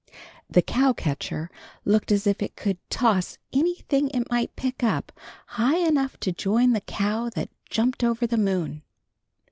The cow catcher looked as if it could toss anything it might pick up high enough to join the cow that jumped over the moon.